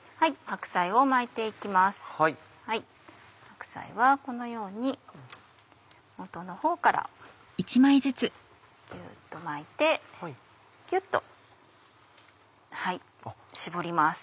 白菜はこのように元のほうからギュっと巻いてキュっと絞ります。